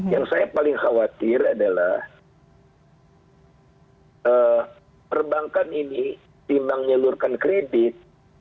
yang saya paling khawatir adalah perbankan ini timbang nyelurkan kredit